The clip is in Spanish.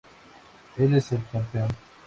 Él es el campeón.